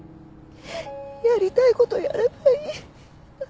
やりたい事をやればいい。